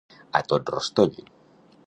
A tot rostoll.